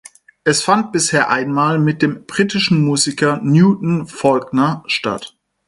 Es fand bisher einmal mit dem britischen Musiker Newton Faulkner statt.